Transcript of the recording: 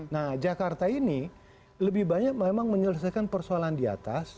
nah jakarta ini lebih banyak memang menyelesaikan persoalan diatas